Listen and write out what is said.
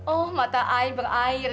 oh mata ay berair